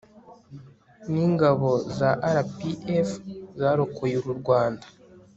n'ingabo za rpf zarokoye uru rwanda